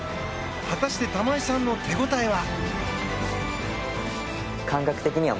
果たして玉井さんの手ごたえは。